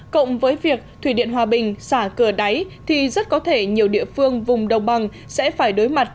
cộng với việc thủy điện hòa bình xả cửa đáy thì rất có thể nhiều địa phương vùng đồng bằng sẽ phải đối mặt